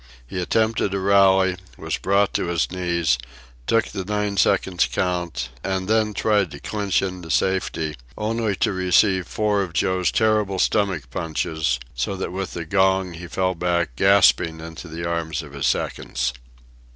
He attempted a rally, was brought to his knees, took the nine seconds' count, and then tried to clinch into safety, only to receive four of Joe's terrible stomach punches, so that with the gong he fell back, gasping, into the arms of his seconds.